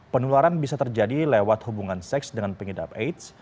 penularan bisa terjadi lewat hubungan seks dengan pengidap aids